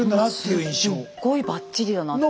すっごいバッチリだなって今。